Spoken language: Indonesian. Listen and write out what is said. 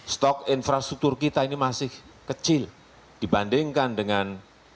stok infrastruktur kita ini masih kecil dibandingkan dengan